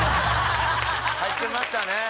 入ってましたね。